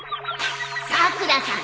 さくらさん